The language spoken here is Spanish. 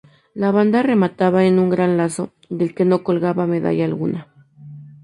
La banda remataba en un gran lazo, del que no colgaba medalla alguna.